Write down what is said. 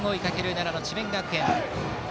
奈良の智弁学園。